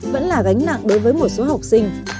vẫn là gánh nặng đối với một số học sinh